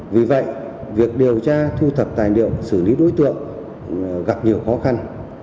vì vậy việc điều tra thu thập tài liệu xử lý đối tượng gặp nhiều khó khăn